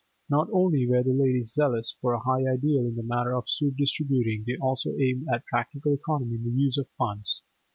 Not only were the ladies zealous for a high ideal in the matter of soup distributing, they also aimed at practical economy in the use of funds.